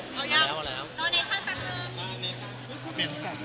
จุ๊บ